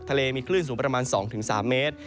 ทะเลมีคลื่นสูงประมาณ๒๓เมตร